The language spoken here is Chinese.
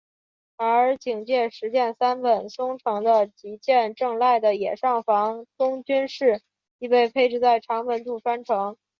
而警戒石见三本松城的吉见正赖的野上房忠军势亦被配置在长门渡川城。